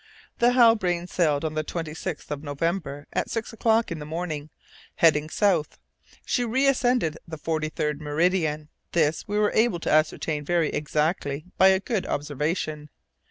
The Halbrane sailed on the 26th of November, at six o'clock in the morning, heading south. She reascended the forty third meridian; this we were able to ascertain very exactly by a good observation.